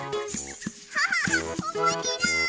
キャハハおもしろい！